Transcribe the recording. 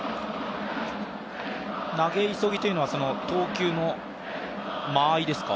投げ急ぎというのは、投球の間合いですか？